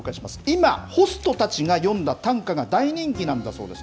今、ホストたちが詠んだ短歌が大人気なんだそうです。